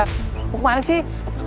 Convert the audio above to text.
mau kemana sih